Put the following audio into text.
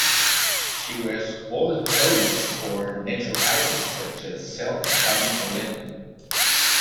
She wears woollen clothes or natural fibres such as silk, cotton or linen.